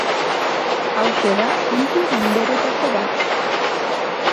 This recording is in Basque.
Hauxe da puntu minberetako bat.